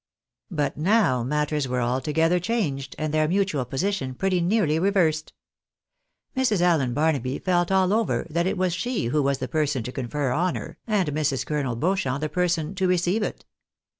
But now matters were altogether changed, and their mutual position pretty nearly reversed. Mrs. Allen Barnaby felt all over that it was she who was the person to confer honour, and Mrs. Colonel Beauchamp the person to receive it.